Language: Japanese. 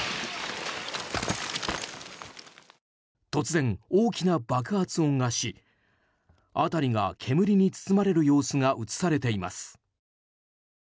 突然、大きな爆発音がし辺りが煙に包まれる様子が映されています。